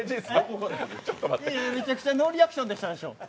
めちゃくちゃノーリアクションでしたでしょう？